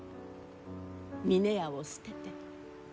峰屋を捨てて。